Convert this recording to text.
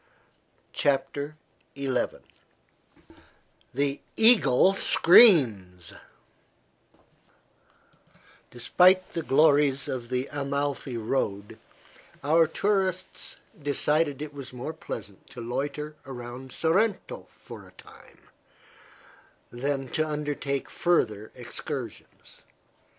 CHAPTER XI THE EAGLE SCREAMS Despite the glories of the Amalfi road our tourists decided it was more pleasant to loiter around Sorrento for a time than to undertake further excursions.